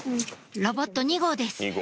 ロボット２号です